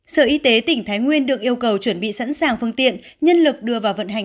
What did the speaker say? sở y tế tỉnh thái nguyên được yêu cầu chuẩn bị sẵn sàng phương tiện nhân lực đưa vào vận hành